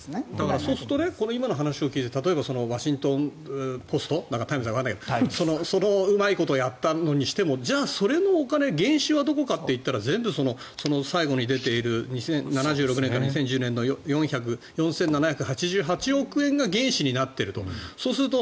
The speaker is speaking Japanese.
そうすると今の話を聞いて例えばワシントン・ポストタイムズだかわからないけどそのうまいことやったのにしてもじゃあそれのお金原資はどこかって言ったら全部最後に出ている１９７６年から２０１０年の４７８８億円が原資になっていると原資になっていると。